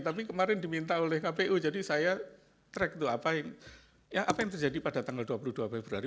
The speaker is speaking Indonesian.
tapi kemarin diminta oleh kpu jadi saya track tuh apa yang terjadi pada tanggal dua puluh dua februari